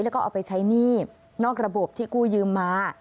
แล้วก็เอาไปใช้หนี้นอกระบบที่กู้ยืมมา